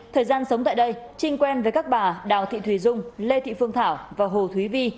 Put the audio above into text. thời gian sống tại đây trinh quen với các bà đào thị thùy dung lê thị phương thảo và hồ thúy vi